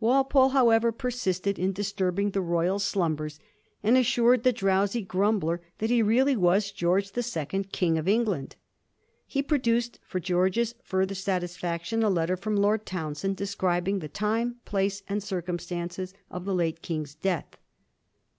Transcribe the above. Walpole, however, persisted in disturbing the royal slumbers, and assured the drowsy grumbler that he really was Greorge the Second, King of England. He produced for George's further satisfaction a letter from Lord Townshend, describing the time, place, and circumstances of the late King's death.